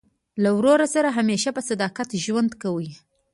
له ورور سره همېشه په صداقت ژوند کوئ!